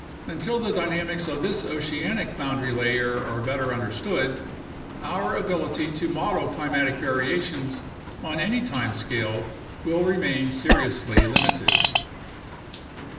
Until the dynamics of this oceanic boundary layer are better understood, our ability to model climatic variations on any time scale will remain seriously limited.